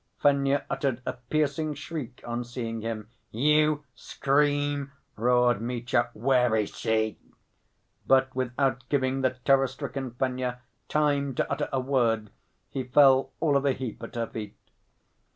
Fenya uttered a piercing shriek on seeing him. "You scream?" roared Mitya, "where is she?" But without giving the terror‐stricken Fenya time to utter a word, he fell all of a heap at her feet.